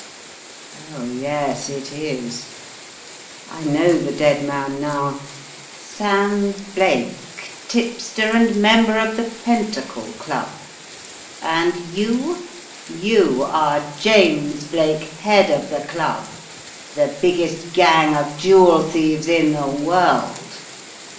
Oh, yes, it is. I know the dead man now: Sam Blake, tipster and member of the Pentacle Club. And you — you are James Blake, head of the Club, the biggest gang of jewel thieves in the world!"